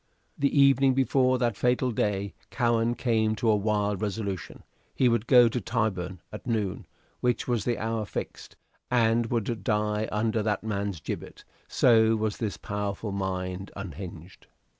The evening before that fatal day Cowen came to a wild resolution; he would go to Tyburn at noon, which was the hour fixed, and would die under that man's gibbet so was this powerful mind unhinged.